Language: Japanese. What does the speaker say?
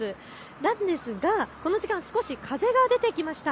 なんですが、この時間少し風が出てきました。